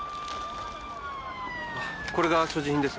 これが所持品です。